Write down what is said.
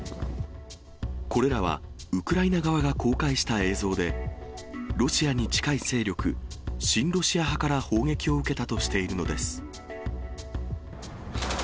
これらは、ウクライナ側が公開した映像で、ロシアに近い勢力、親ロシア派から砲撃を受けたとしているのです。